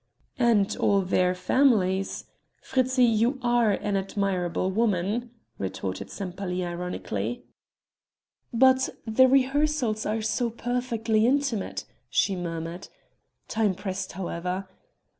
"And all their families. Fritzi, you are an admirable woman!" retorted Sempaly ironically. "But the rehearsals are so perfectly intimate," she murmured. Time pressed however.